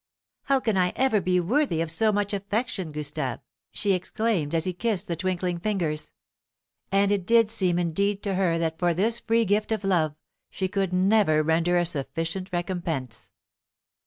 "How can I ever be worthy of so much affection, Gustave!" she exclaimed, as he kissed the twinkling fingers. And it did indeed seem to her that for this free gift of love she could never render a sufficient recompense.